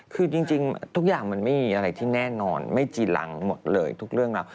คือจริงทุกอย่างมันไม่มีอะไรที่แน่นอนไม่จีรังหมดเลยทุกเรื่องราว